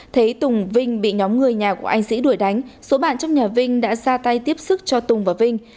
thấy tùng vinh bị nhóm người nhà của anh sĩ đuổi đánh số bạn trong nhà vinh đã ra tay tiếp sức cho tùng và vinh